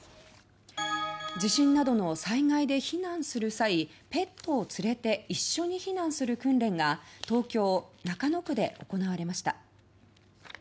地震などの災害で避難する際ペットを連れて一緒に避難する訓練が東京・中野区で行われました。